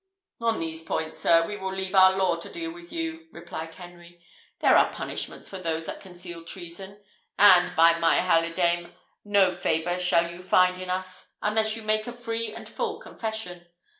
"On these points, sir, we will leave our law to deal with you," replied Henry: "there are punishments for those that conceal treason; and, by my halidame, no favour shall you find in us, unless you make a free and full confession!